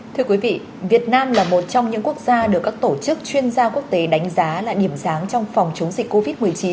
thưa quý vị việt nam là một trong những quốc gia được các tổ chức chuyên gia quốc tế đánh giá là điểm sáng trong phòng chống dịch covid một mươi chín